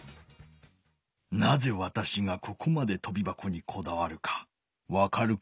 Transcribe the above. なぜわたしがここまでとびばこにこだわるかわかるか？